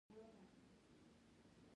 نو دا پنځوس زره اضافي افغانۍ له کومه شوې